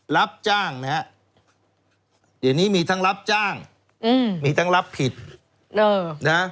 รับจ้างนะฮะเดี๋ยวนี้มีทั้งรับจ้างอืมมีทั้งรับผิดเออนะ